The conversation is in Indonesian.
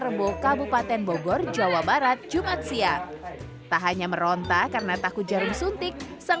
rembo kabupaten bogor jawa barat jumat siang tak hanya meronta karena takut jarum suntik sang